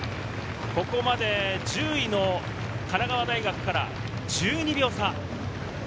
ここまで１０位の神奈川大学から１２秒差。